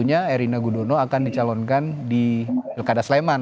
mungkin ini kemarin pak jokowi dan pak rudono akan dicalonkan di pilkada sleman